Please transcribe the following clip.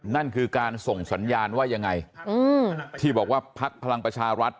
นั่นคือการส่งสัญญาณว่ายังไงที่บอกว่าพักพลังประชารัฐ